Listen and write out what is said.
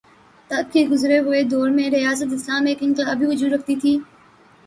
تب کے گزرے ہوئے دور میں ریاست اسلام ایک انقلابی وجود رکھتی تھی۔